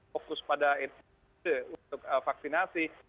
fokus pada untuk vaksinasi